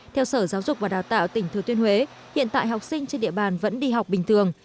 theo sở giáo dục và đào tạo tỉnh thừa tuyên huế hiện tại học sinh trên địa bàn vẫn đi học bình thường